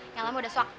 yang lama udah swag